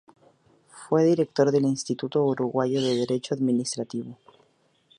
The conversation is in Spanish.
Fue director del Instituto Uruguayo de Derecho Administrativo.